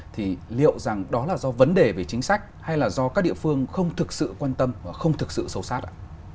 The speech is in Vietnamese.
thì liệu rằng đó là do vấn đề về chính sách hay là do các địa phương không thực sự quan tâm và không thực sự sâu sát ạ